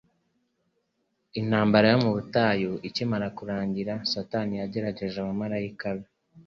Intambara yo mu butayu ikimara kurangira Satani yateranije abamarayika be